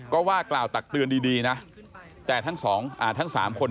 ก็ว่ากล่าวตักเตือนดีนะแต่ทั้งสองทั้งสามคน